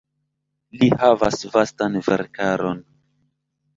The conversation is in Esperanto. Li havas vastan verkaron.